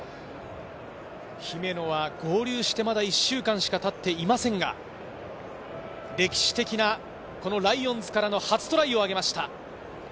姫野は合流してまだ１週間しかたっていませんが、歴史的なライオンズからの初トライを挙げました。